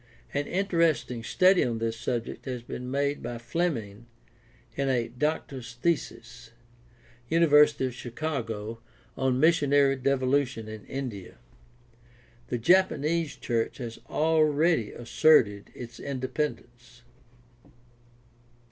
An interesting study on this subject has been made by Fleming in a Doctor's thesis (University of Chicago) on Missionary Devolution in India. The Japanese church has already asserted its independence.